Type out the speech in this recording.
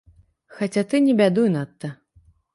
Хаця ты не бядуй надта!